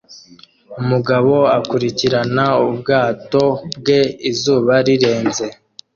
Umugabo akurikirana ubwato bwe izuba rirenze